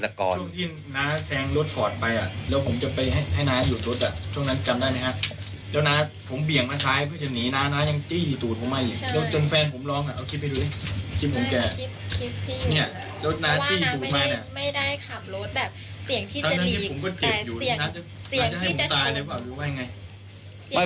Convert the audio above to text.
ช่วงที่น้ายเราแสงรถชอนไป